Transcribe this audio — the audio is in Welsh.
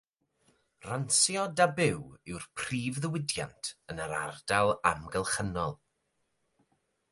Ransio da byw yw'r prif ddiwydiant yn yr ardal amgylchynol.